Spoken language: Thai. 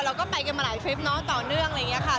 เราก็ไปกันมาหลายทริปเนาะต่อเนื่องอะไรอย่างนี้ค่ะ